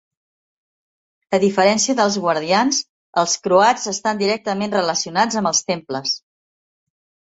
A diferència dels guardians, els croats estan directament relacionats amb els temples.